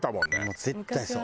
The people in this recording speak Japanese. もう絶対そう。